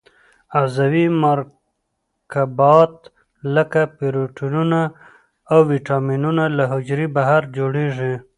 عضوي مرکبات لکه پروټینونه او وېټامینونه له حجرې بهر جوړیږي.